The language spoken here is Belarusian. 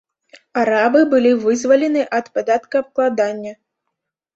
Арабы былі вызвалены ад падаткаабкладання.